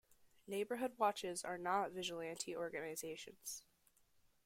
Neighborhood watches are not vigilante organizations.